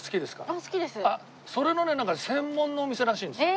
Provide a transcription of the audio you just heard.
それのねなんか専門のお店らしいんですよ。